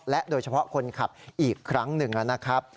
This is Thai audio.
โดยเฉพาะคนขับอีกครั้งหนึ่งนะครับ